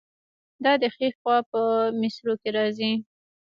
دا د ښي خوا په مصرو کې راځي.